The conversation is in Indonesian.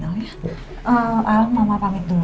aku ya mama pamit dulu